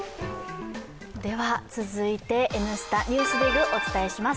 続いて「Ｎスタ・ＮＥＷＳＤＩＧ」、お伝えします。